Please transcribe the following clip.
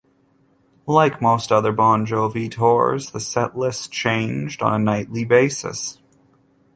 Like most other Bon Jovi tours, the set list changed on a nightly basis.